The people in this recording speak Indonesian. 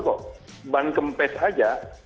tapi kalau ban kempes saja